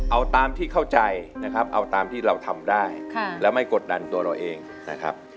เอาตามที่เข้าใจนะครับเอาตามที่เราทำได้แล้วไม่กดดันตัวเราเองนะครับ